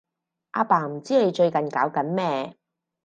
阿爸唔知你最近搞緊咩